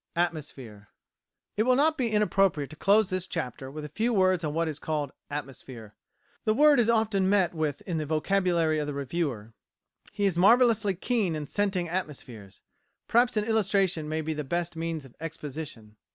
"Atmosphere" It will not be inappropriate to close this chapter with a few words on what is called "atmosphere." The word is often met with in the vocabulary of the reviewer; he is marvellously keen in scenting atmospheres. Perhaps an illustration may be the best means of exposition.